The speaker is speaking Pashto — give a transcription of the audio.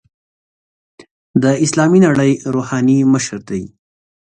د اسلامي نړۍ روحاني مشر دی.